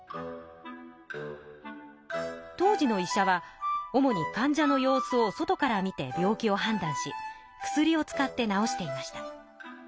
当時の医者は主にかん者の様子を外から見て病気を判断し薬を使って治していました。